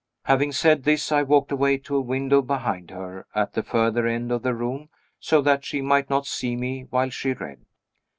Having said this, I walked away to a window behind her, at the further end of the room, so that she might not see me while she read.